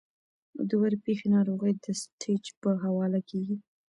د ورپېښې ناروغۍ د سټېج پۀ حواله کيږي -